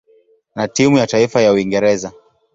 na timu ya taifa ya Uingereza.